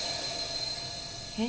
えっ？